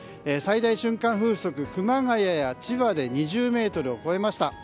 最大瞬間風速、熊谷や千葉で２０メートルを超えました。